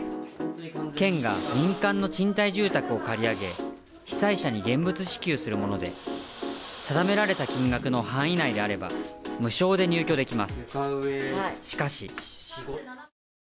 県が民間の賃貸住宅を借り上げ被災者に現物支給するもので定められた金額の範囲内であれば無償で入居できます